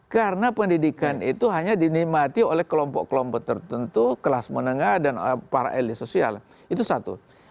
karena pendidikan itu hanya dinikmati oleh kelompok kelompok tertentu kelas menengah dan para elit sosial itu satu